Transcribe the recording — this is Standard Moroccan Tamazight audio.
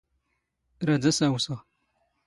ⵔⴰⴷ ⴰⵙ ⴰⵡⵙⵖ.